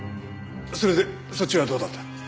それでそっちはどうだった？